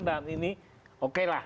dan ini okelah